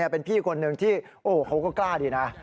เป็นพี่คนหนึ่งที่เขาก็กล้าดีนะ